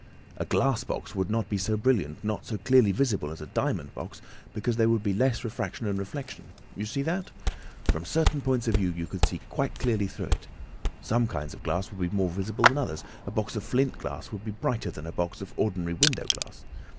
A glass box would not be so brilliant, nor so clearly visible, as a diamond box, because there would be less refraction and reflection. See that? From certain points of view you would see quite clearly through it. Some kinds of glass would be more visible than others, a box of flint glass would be brighter than a box of ordinary window glass.